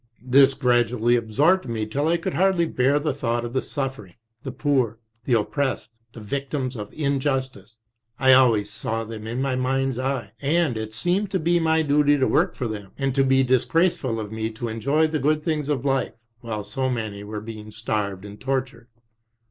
This gradually absorbed me till I could hardly bear the thought of the suffering, the poor, the oppressed, the vic tims of Injustice. I always saw them in my mind's eye, and it seemed to be my duty to work for them, and to be disgrace ful of me to enjoy the good things of life while so many were being starved and tortured.